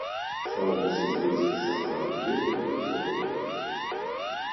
Шоу мусіць быць сапраўды крутое!